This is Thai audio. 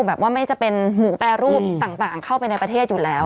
ไม่จะเป็นหมูแปรรูปต่างเข้าไปในประเทศอยู่แล้ว